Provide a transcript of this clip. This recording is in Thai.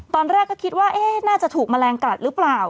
ตอนแรกก็คิดว่าเอ๊ะน่าจะถูกมะแรงกลัดหรือเปล่า